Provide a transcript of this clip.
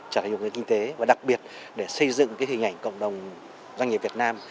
trở thành một nền kinh tế và đặc biệt để xây dựng hình ảnh cộng đồng doanh nghiệp việt nam